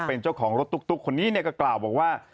เป็นเจ้าของรถตุ๊กคนนี้ก็กล่าวบอกว่า